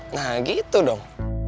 nah gitu dong